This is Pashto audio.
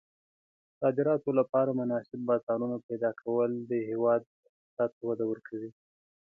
د صادراتو لپاره مناسب بازارونه پیدا کول د هېواد اقتصاد ته وده ورکوي.